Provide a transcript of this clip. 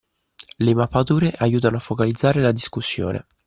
Le mappature aiutano a focalizzare la discussione